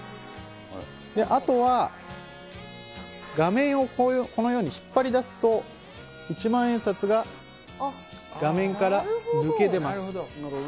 あとは、画面をこのように引っ張り出すと、一万円札が画面から抜け出ます。